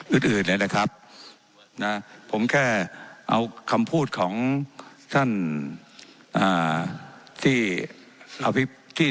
อืดอืดเลยนะครับนะผมแค่เอาคำพูดของท่านอ่าที่